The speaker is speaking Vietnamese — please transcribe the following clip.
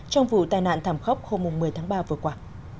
trong vụ tai nạn thảm khốc hôm một mươi tháng ba vừa qua